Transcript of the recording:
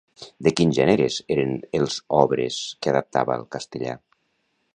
De quins gèneres eren els obres que adaptava al castellà?